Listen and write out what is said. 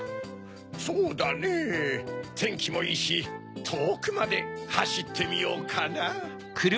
そうだねぇてんきもいいしとおくまではしってみようかな。